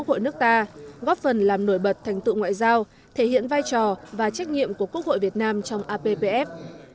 hội nước ta góp phần làm nổi bật thành tựu ngoại giao thể hiện vai trò và trách nhiệm của quốc hội việt nam trong appf